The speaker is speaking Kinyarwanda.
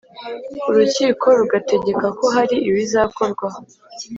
Urukiko rugategeka ko hari ibizakorwa